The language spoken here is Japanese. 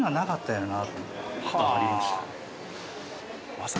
ありました。